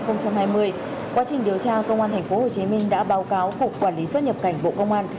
quá trình điều tra công an thành phố hồ chí minh đã báo cáo cục quản lý xuất nhập cảnh bộ công an